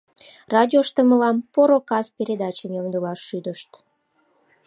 Радиошто мылам «Поро кас» передачым ямдылаш шӱдышт.